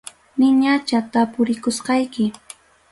Niñacha tapurikusqayki.